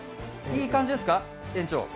いい感じですか、園長？